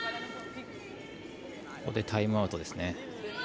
ここでタイムアウトですね。